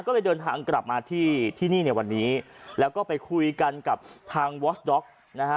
เจอทางกลับมาที่ที่นี่ในวันนี้แล้วก็ไปคุยกันกับทางนะฮะ